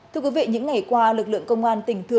thưa quý vị những ngày qua lực lượng công an tỉnh thừa thiên